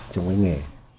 trong cái nghề